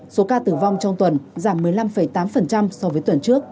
số ca tử vong trong tuần giảm một mươi năm tám so với tuần trước